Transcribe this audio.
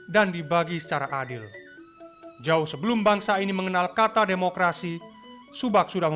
yang baru ke bawah sel laboratory yang di rumah dekat belakang